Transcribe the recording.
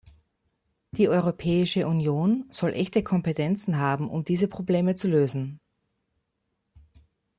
Die Europäische Union soll echte Kompetenzen haben, um diese Probleme zu lösen.